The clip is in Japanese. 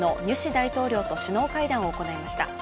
大統領と首脳会談を行いました。